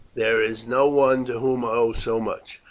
There is no one to whom I owe so much.